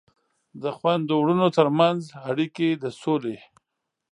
د خویندو ورونو ترمنځ اړیکې د سولې